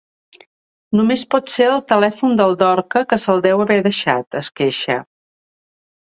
Només pot ser el telèfon del Dorca, que se'l deu haver deixat —es queixa—.